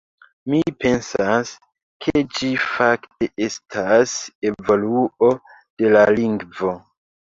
Mi pensas, ke ĝi fakte estas evoluo de la lingvo.